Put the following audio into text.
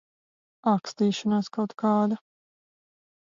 Ākstīšanās kaut kāda.